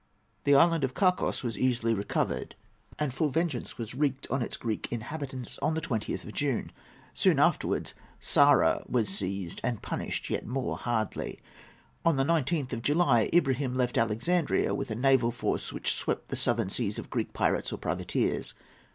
The island of Kasos was easily recovered, and full vengeance was wreaked on its Greek inhabitants on the 20th of June. Soon afterwards Psara was seized and punished yet more hardly. On the 19th of July Ibrahim left Alexandria with a naval force which swept the southern seas of Greek pirates or privateers.